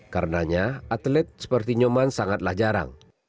karenanya atlet seperti nyoman sangatlah jarang